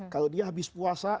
kalau dia habis puasa